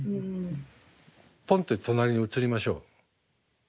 ポンって隣に移りましょう。